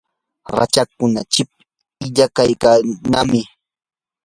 rachakkuna chip illaqayashqanami.